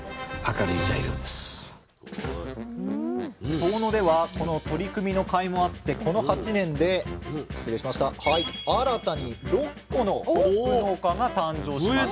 遠野ではこの取り組みのかいもあってこの８年で新たに６戸のホップ農家が誕生しました。